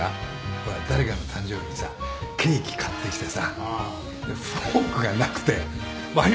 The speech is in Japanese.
ほら誰かの誕生日にさケーキ買ってきてさフォークがなくて割り箸で食べちゃったみたいな。